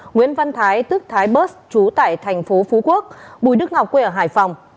nguyễn văn thái tức thái bớt chú tại thành phố phú quốc bùi đức ngọc quê ở hải phòng